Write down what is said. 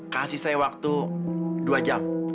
kasih saya waktu dua jam